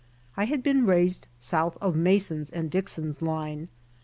I had been raised south of "JNIason's and Dixon's line."